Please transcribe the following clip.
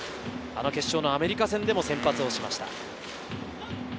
決勝のアメリカ戦でも先発をしました。